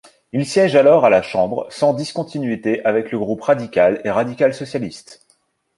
Il siège alors à la Chambre sans discontinuité avec le groupe radical et radical-socialiste.